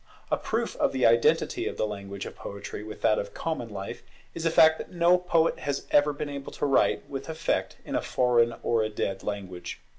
A proof of the identity of the language of Poetry with that of common life, is the fact that no poet has ever been able to write with effect in a foreign or a dead language.